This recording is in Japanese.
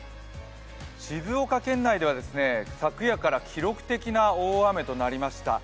静岡県内では昨夜から記録的な大雨となりました。